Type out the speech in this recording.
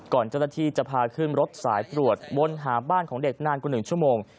เจ้าหน้าที่จะพาขึ้นรถสายตรวจวนหาบ้านของเด็กนานกว่า๑ชั่วโมง